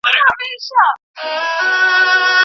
پرمختګ باید د ټولني ټولو پاړکو ته ورسیږي.